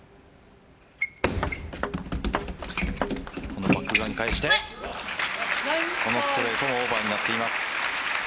このバック側に返してこのストレートもオーバーになっています。